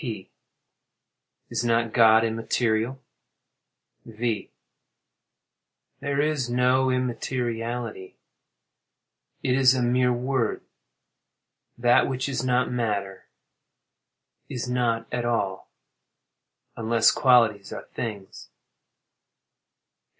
P. Is not God immaterial? V. There is no immateriality—it is a mere word. That which is not matter, is not at all—unless qualities are things.